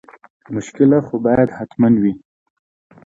مشکله خو باید حتما وي.